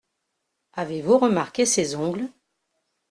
Avez-vous remarqué ses ongles ?